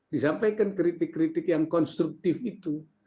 disampaikan kritik kritik yang konstruktif itu